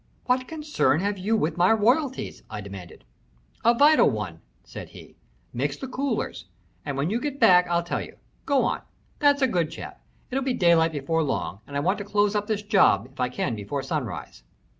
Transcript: "What concern have you with my royalties?" I demanded. "A vital one," said he. "Mix the coolers, and when you get back I'll tell you. Go on. There's a good chap. It'll be daylight before long, and I want to close up this job if I can before sunrise."